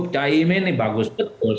cak imin ini bagus betul